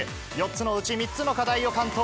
４つのうち３つの課題を完登。